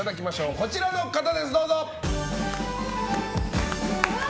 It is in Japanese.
こちらの方です、どうぞ！